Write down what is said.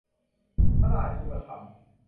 พระราชูปถัมภ์